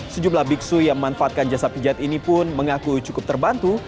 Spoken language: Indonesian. sejumlah biksu yang memanfaatkan jasa pijat ini pun mengaku cukup terbantu